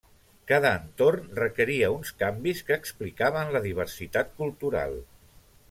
Cada entorn requeria uns canvis que explicaven la diversitat cultural.